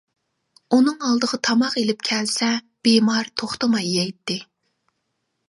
ئۇنىڭ ئالدىغا تاماق ئېلىپ كەلسە بىمار توختىماي يەيتتى.